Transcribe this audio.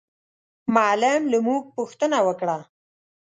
معلم له موږ پوښتنه وکړه.